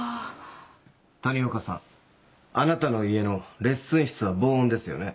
谷岡さんあなたの家のレッスン室は防音ですよね。